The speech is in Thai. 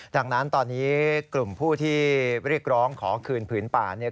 ดังนั้นตอนนี้กลุ่มผู้ที่เรียกร้องขอคืนผืนป่าเนี่ย